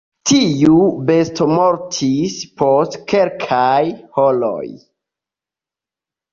Tiu besto mortis post kelkaj horoj.